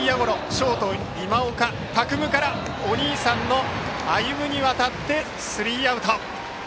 ショート、今岡拓夢からお兄さんの歩夢にわたりスリーアウト。